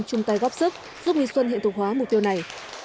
chung tay góp sức giúp nghi xuân hiện thực hóa mục tiêu này